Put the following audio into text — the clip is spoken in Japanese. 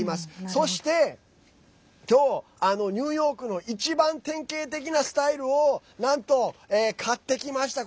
そして、きょうニューヨークの一番典型的なスタイルをなんと、買ってきました。